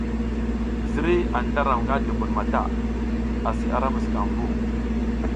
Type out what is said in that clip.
Ziriy anta ram nga dubun mata, asi ara muskamvu.